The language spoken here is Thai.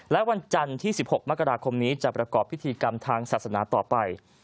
และวันจันทร์ที่๑๖มกราคมนี้จะประกอบพิธีกรรมทางศาสนาต่อไป